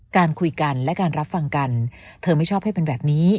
การคุยกันและการรับฟังกันเธอไม่ชอบให้เป็นแบบนี้